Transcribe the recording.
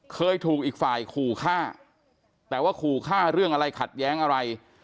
เคยถูกอีกฝ่ายขู่ฆ่าแต่ว่าขู่ฆ่าเรื่องอะไรขัดแย้งอะไร